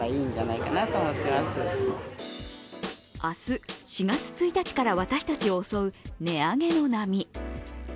明日、４月１日から私たちを襲う、値上げの波。